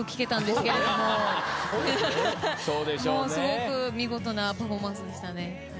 すごく見事なパフォーマンスでしたね。